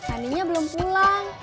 aninya belum pulang